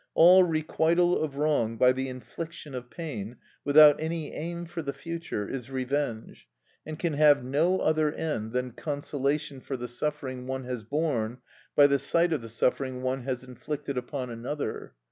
All requital of wrong by the infliction of pain, without any aim for the future, is revenge, and can have no other end than consolation for the suffering one has borne by the sight of the suffering one has inflicted upon another.